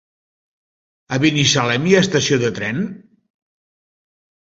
A Binissalem hi ha estació de tren?